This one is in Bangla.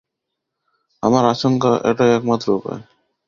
আমার আশঙ্কা এটাই একমাত্র উপায়।